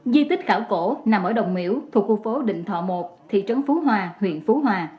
di tích khảo cổ nằm ở đồng miễu thuộc khu phố định thọ một thị trấn phú hòa huyện phú hòa